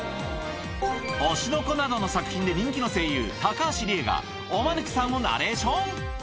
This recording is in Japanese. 『推しの子』などの作品で人気の声優高橋李依がおマヌケさんをナレーション